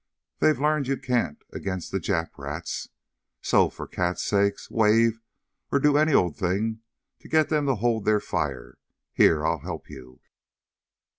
They've learned you can't against the Jap rats. So, for cat's sake, wave, or do any old thing to get them to hold their fire. Here, I'll help you!"